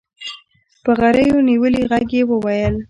په غريو نيولي ږغ يې وويل.